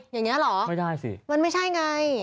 อย่างนี้หรอมันไม่ใช่ไงไม่ได้สิ